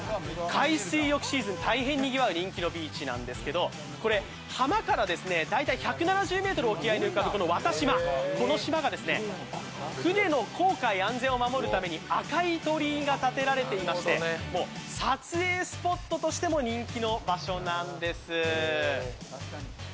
海水浴シーズン、大変にぎわう人気のビーチなんですけどこれ、浜から大体１７０ｍ沖合に浮かんでいる沖島、この島がですね、船の航海安全を守るために赤い鳥居が建てられていまして撮影スポットとしても人気の場所なんです。